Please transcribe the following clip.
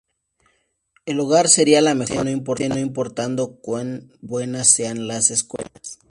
El hogar sería la mejor base no importando cuan buenas sean las escuelas".